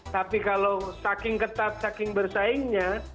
tapi kalau saking ketat saking bersaingnya